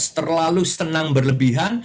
terlalu senang berlebihan